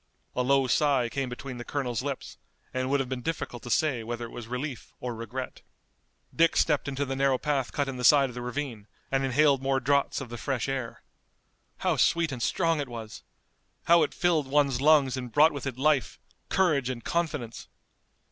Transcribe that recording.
A low sigh came between the colonel's lips, and it would have been difficult to say whether it was relief or regret. Dick stepped into the narrow path cut in the side of the ravine and inhaled more draughts of the fresh air. How sweet and strong it was! How it filled one's lungs and brought with it life, courage and confidence!